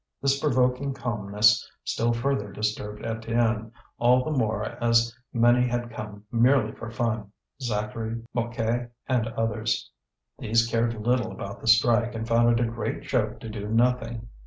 This provoking calmness still further disturbed Étienne, all the more as many had come merely for fun Zacharie, Mouquet, and others. These cared little about the strike, and found it a great joke to do nothing.